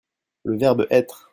Le verbe être.